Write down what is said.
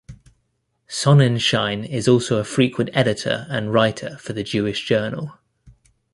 Sonenshein is also a frequent editor and writer for the Jewish Journal.